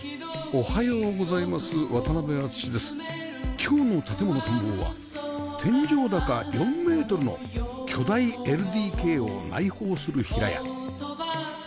今日の『建もの探訪』は天井高４メートルの巨大 ＬＤＫ を内包する平屋